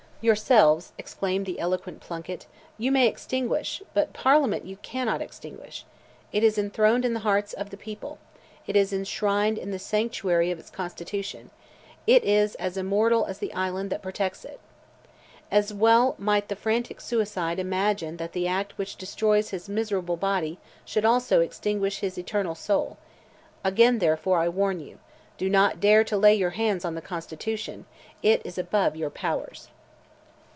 "Yourselves," exclaimed the eloquent Plunkett, "you may extinguish, but Parliament you cannot extinguish. It is enthroned in the hearts of the people—it is enshrined in the sanctuary of the constitution—it is as immortal as the island that protects it. As well might the frantic suicide imagine that the act which destroys his miserable body should also extinguish his eternal soul. Again, therefore, I warn you. Do not dare to lay your hands on the Constitution—it is above your powers!"